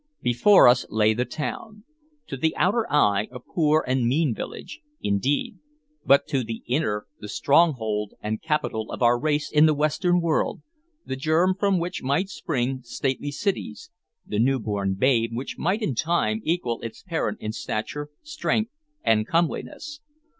Before us lay the town: to the outer eye a poor and mean village, indeed, but to the inner the stronghold and capital of our race in the western world, the germ from which might spring stately cities, the newborn babe which might in time equal its parent in stature, strength, and comeliness.